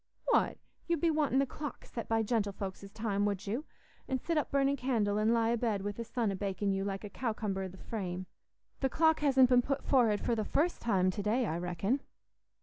"What! You'd be wanting the clock set by gentlefolks's time, would you? An' sit up burnin' candle, an' lie a bed wi' the sun a bakin' you like a cowcumber i' the frame? The clock hasn't been put forrard for the first time to day, I reckon."